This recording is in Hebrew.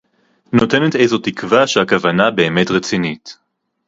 נותנת איזו תקווה שהכוונה באמת רצינית